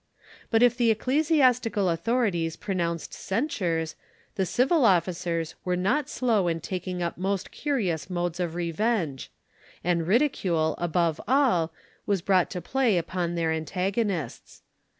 But if the ecclesiastical authorities pronounced censures, the civil officers were not slow in taking up most curious modes of revenge ; and ridicule, above all, was brought to play upon their an tagonists.